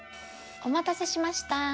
お待たせしました。